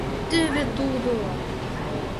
— Тӧвӧ тудо!..